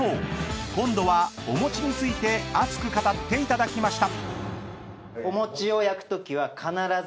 ［今度はおもちについて熱く語っていただきました］